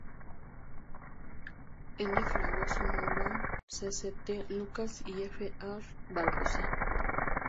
N. Fragoso-Moura, C. C. T. Lucas y F. A. R. Barbosa.